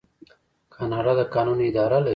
کاناډا د کانونو اداره لري.